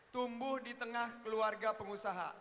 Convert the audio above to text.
tumbuh di tengah keluarga pengusaha